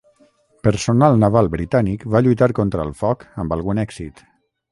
Personal naval britànic va lluitar contra el foc amb algun èxit.